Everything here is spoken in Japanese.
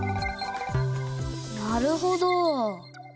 なるほど。